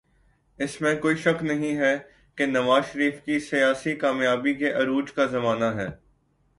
اس میں کوئی شک نہیں کہ یہ نواز شریف کی سیاسی کامیابی کے عروج کا زمانہ ہے۔